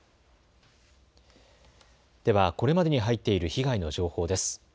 ではこれまでに入っている被害の情報です。